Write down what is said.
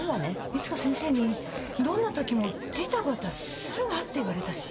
いつか先生にどんな時もジタバタするなって言われたし。